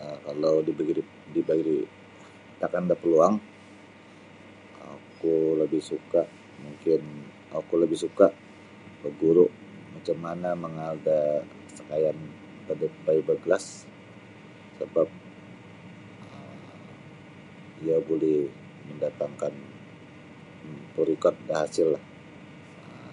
um Kalau di dibari takan da peluang oku lebih suka mungkin oku lebih suka baguru macam mana mangaal da sakayan fiber glass sebap um iyo buli mendatangkan mamporikot da hasillah um.